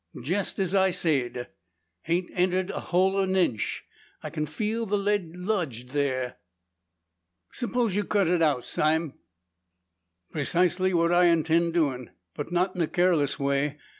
"Jest as I sayed. Hain't entered the hul o' an inch. I kin feel the lead ludged thar'." "Suppose you cut it out, Sime?" "Precisely what I intend doin'. But not in a careless way.